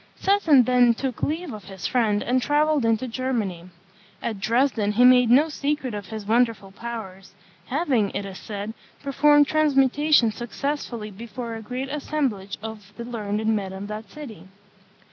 Seton then took leave of his friend, and travelled into Germany. At Dresden he made no secret of his wonderful powers, having, it is said, performed transmutation successfully before a great assemblage of the learned men of that city.